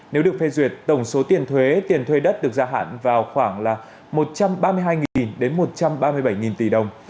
nếu được phê duyệt tổng số tiền thuế tiền thuê đất được gia hạn vào khoảng một trăm ba mươi hai đến một trăm ba mươi bảy tỷ đồng